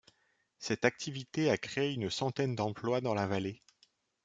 Cette activité a créé une centaine d'emplois dans la vallée.